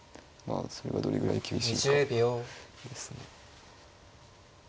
あそれがどれぐらい厳しいかですね。